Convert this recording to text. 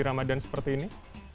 ramadan seperti ini